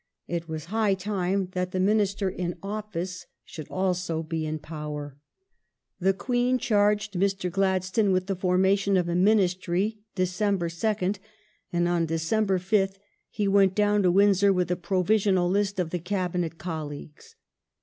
It was high time that the Minister in office should also be in power. The Queen charged Mr. Gladstone with the formation of a Glad Ministry (Dec. 2nd), and on December 5th he went down to^^^JJ^^jj^. Windsor with a provisional list of the Cabinet colleagues.